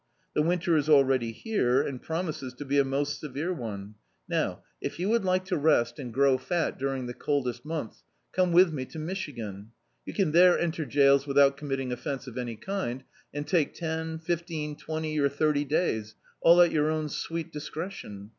The winter is already here, and promises to be a most severe (»ie. Now, if you would like to rest and D,i.,.db, Google Law in America grow fat during the coldest months, come with mc to Michigan. You can there enter jails without committing offence of any kind, and take ten, fifteen, twenty or thirty days, all at your own sweet discre tion.